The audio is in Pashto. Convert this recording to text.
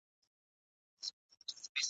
په ځنګله کي د چینجیو د میندلو ..